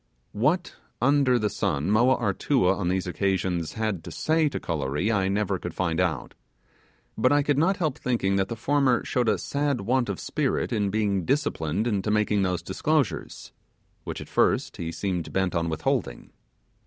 What under the sun Moa Artua on these occasions had to say to Kolory I never could find out; but I could not help thinking that the former showed a sad want of spirit in being disciplined into making those disclosures, which at first he seemed bent on withholding.